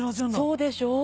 そうでしょ。